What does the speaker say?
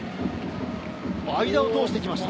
間を通してきました。